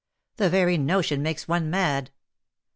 The very notion makes one mad."